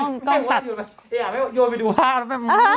ยนต์อยู่ละอย่างไงโยนไปดูภาพ